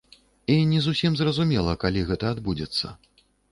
І не зусім зразумела, калі гэта адбудзецца.